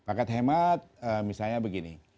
paket hemat misalnya begini